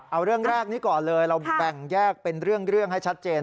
เอาเรื่องแรกนี้ก่อนเลยเราแบ่งแยกเป็นเรื่องให้ชัดเจน